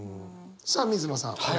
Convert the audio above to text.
さあ水野さん